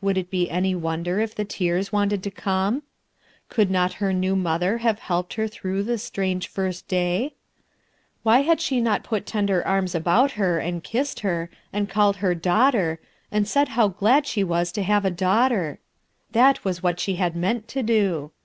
Would it be any wonder if the tears wanted to come? Could not her new mother have helped her through this first strange day ? Why had she not put tender arms about her and kissed her, and called her "daughter," and said how glad she was to have a daughter ? That was what she had meant to do.